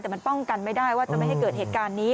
แต่มันป้องกันไม่ได้ว่าจะไม่ให้เกิดเหตุการณ์นี้